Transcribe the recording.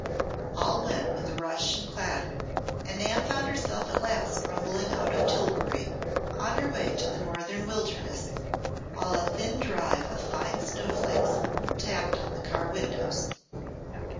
All went with a rush and clatter, and Nan found herself at last rumbling out of Tillbury, on her way to the northern wilderness, while a thin drive of fine snowflakes tapped on the car windows.